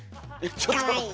かわいい。